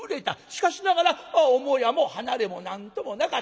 しかしながら母屋も離れも何ともなかった。